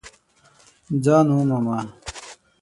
ځان ومومه !